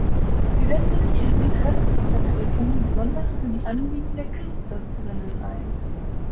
Sie setzte sich in Interessenvertretungen besonders für die Anliegen der Künstlerinnen ein.